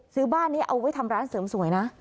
ซื้อบ้านนี้เอาไว้ทำร้านเสริมสวยนะ